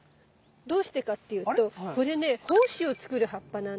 どうしてかっていうとこれね胞子を作る葉っぱなんです。